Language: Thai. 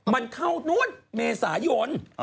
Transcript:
มันเข้านู่นเมษายน